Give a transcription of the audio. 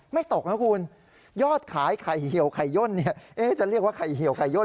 ตกนะคุณยอดขายไข่เหี่ยวไข่ย่นจะเรียกว่าไข่เหี่ยวไข่ย่น